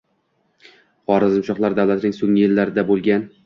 Xorazmshohlar davlatining so‘nggi yillari bo‘lgan.